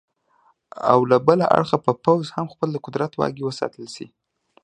او له بله اړخه به پوځ هم خپل د قدرت واګې وساتلې شي.